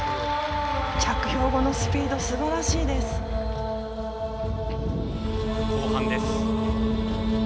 着氷後のスピードが素晴らしいです。